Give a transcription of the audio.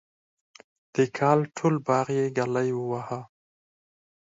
د کال ټول باغ یې ګلي وواهه.